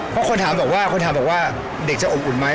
เพราะคนถามบอกว่าเด็กจะอบอุ่นไหม